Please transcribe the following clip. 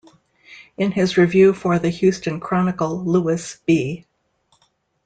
In his review for the "Houston Chronicle", Louis B.